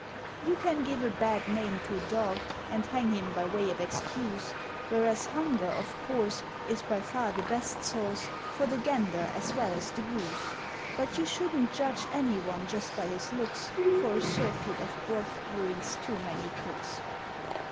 You can give a bad name to a Dog, And hang him by way of excuse; Whereas Hunger, of course, Is by far the Best Sauce For the Gander as well as the Goose. (But you shouldn't judge anyone just by his looks, For a Surfeit of Broth ruins too many Cooks.)